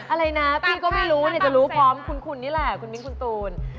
อะไรนะพี่ก็ไม่รู้จะรู้พร้อมคุณนี่แหละคุณมิ้นคุณตูน